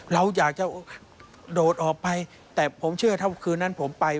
เราอยากจะโดดออกไปแต่ผมเชื่อถ้าคืนนั้นผมไป